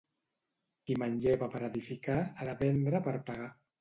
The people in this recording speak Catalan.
Qui manlleva per edificar, ha de vendre per pagar.